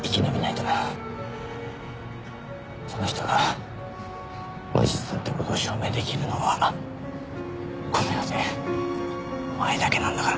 その人が無実だって事を証明出来るのはこの世でお前だけなんだから。